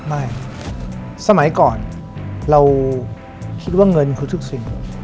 ไม่สมัยก่อนเราคิดว่าเงินคือทุกสิ่ง